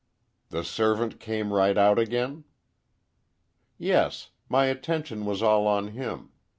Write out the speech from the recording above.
"The servant came right out again?" "Yes; my attention was all on him.